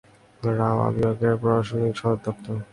রেওয়া বিভাগের প্রশাসনিক সদর দফতর।